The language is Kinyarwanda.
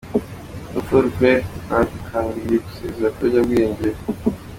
Urupfu rwe rwadukanguriye gusezera ku biyobyabwenge.